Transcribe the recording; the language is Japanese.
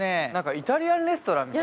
イタリアンレストランみたい。